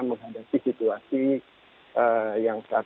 menghadapi situasi yang terjadi